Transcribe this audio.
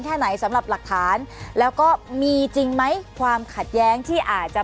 แค่ไหนสำหรับหลักฐานแล้วก็มีจริงไหมความขัดแย้งที่อาจจะ